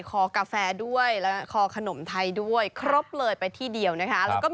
คอกาแฟด้วยและคอขนมไทยด้วยครบเลยไปที่เดียวนะคะ